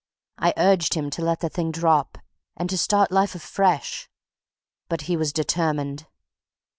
I urged him to let the thing drop, and to start life afresh. But he was determined.